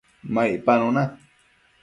ma icpanu na